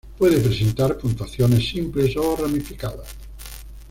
Puede presentar puntuaciones simples o ramificadas.